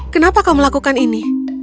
kenapa kau melakukan ini